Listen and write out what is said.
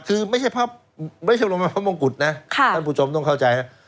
คือไม่ใช่พ่อไม่ใช่โรงพยาบาลพระมงกุฎนะค่ะท่านผู้ชมต้องเข้าใจนะ